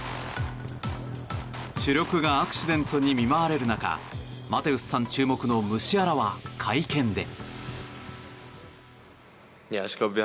主力がアクシデントに見舞われる中マテウスさん注目のムシアラは会見で。